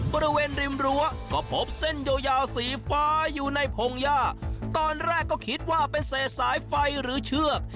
บริเวณริมรั้วก็พบเส้นยาวยาวสีฟ้าอยู่ในพงหญ้าตอนแรกก็คิดว่าเป็นเศษสายไฟหรือเชือก